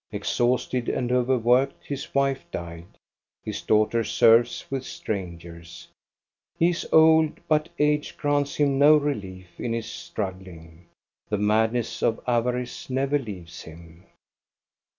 Exhausted and overworked, his wife died. His daughter serves with strangers. He 3l6 THE STORY OF GOSTA BE RUNG is old, but age grants him no relief in his struggling. The madness of avarice never leaves him.